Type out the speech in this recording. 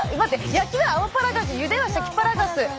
焼きはアマパラガジュゆではシャキパラガス